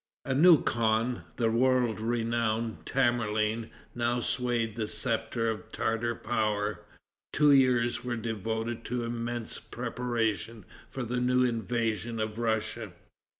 A new khan, the world renowned Tamerlane, now swayed the scepter of Tartar power. Two years were devoted to immense preparations for the new invasion of Russia.